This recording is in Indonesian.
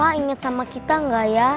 papa inget sama kita gak ya